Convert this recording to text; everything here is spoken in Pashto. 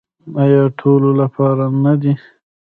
آیا د ټولو لپاره نه دی؟